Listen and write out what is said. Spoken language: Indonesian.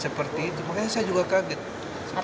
seperti itu makanya saya juga kaget